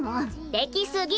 できすぎ！